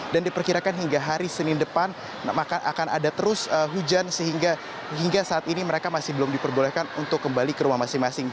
dan diperkirakan hingga hari senin depan akan ada terus hujan sehingga saat ini mereka masih belum diperbolehkan untuk kembali ke rumah masing masing